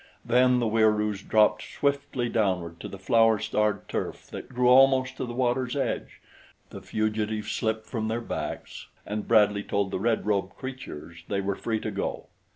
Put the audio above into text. Then the Wieroos dropped swiftly downward to the flower starred turf that grew almost to the water's edge, the fugitives slipped from their backs, and Bradley told the red robed creatures they were free to go.